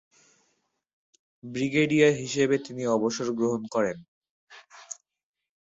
Brigadier হিসাবে তিনি অবসর গ্রহণ করেন।